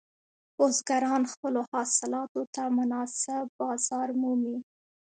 بزګران خپلو حاصلاتو ته مناسب بازار مومي.